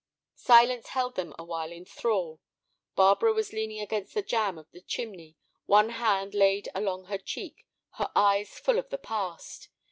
Silence held them awhile in thrall. Barbara was leaning against the jamb of the chimney, one hand laid along her cheek, her eyes full of the past.